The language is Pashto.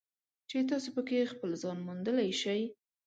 چې تاسو پکې خپل ځان موندلی شئ.